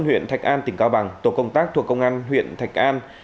huyện thạch an tỉnh cao bằng tổ công tác thuộc công an huyện thạch an